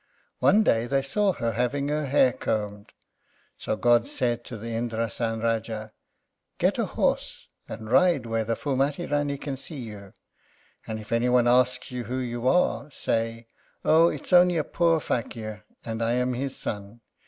One day they saw her having her hair combed, so God said to the Indrásan Rájá, "Get a horse and ride where the Phúlmati Rání can see you, and if any one asks you who you are, say, 'Oh, it's only a poor Fakír, and I am his son.